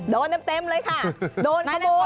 โดนเต็มเลยค่ะโดนขโมย